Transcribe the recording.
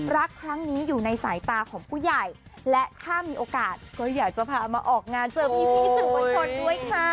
รักครั้งนี้อยู่ในสายตาของผู้ใหญ่และถ้ามีโอกาสก็อยากจะพามาออกงานเจอพี่สื่อมวลชนด้วยค่ะ